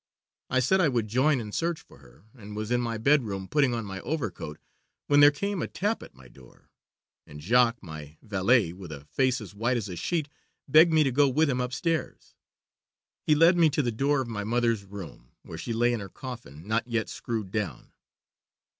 I said I would join in the search for her, and was in my bedroom putting on my overcoat, when there came a tap at my door, and Jacques, my valet, with a face as white as a sheet, begged me to go with him upstairs. He led me to the door of my mother's room, where she lay in her coffin, not yet screwed down.